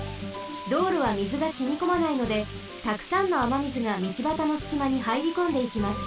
道路はみずがしみこまないのでたくさんのあまみずが道ばたのすきまにはいりこんでいきます。